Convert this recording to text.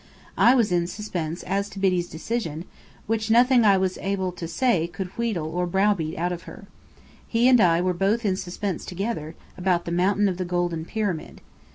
I was in suspense as to Biddy's decision, which nothing I was able to say could wheedle or browbeat out of her. He and I were both in suspense together, about the Mountain of the Golden Pyramid.